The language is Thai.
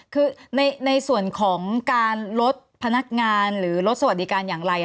คือในส่วนของการลดพนักงานหรือลดสวัสดิการอย่างไร